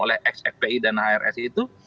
oleh ex fbi dan hrsi itu